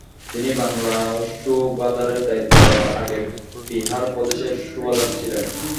তিনি বাংলা সুবাদারের দায়িত্ব নেওয়ার আগে বিহার প্রদেশের সুবাদার ছিলেন।